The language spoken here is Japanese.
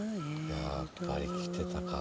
やっぱり来てたか。